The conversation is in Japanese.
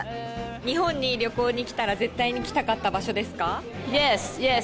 日本に旅行に来たら、絶対に行きたかった場所ですか。